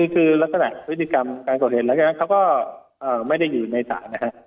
คือลักษณะพฤติกรรมการก่อเหตุหลังจากนั้นเขาก็ไม่ได้อยู่ในศาลนะฮะ